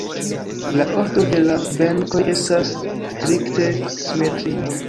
La ordo de la benkoj estas strikte simetria.